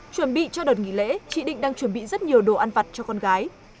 chuẩn bị cho đợt nghỉ lễ chị định đang chuẩn bị rất nhiều đồ ăn vặt cho con gái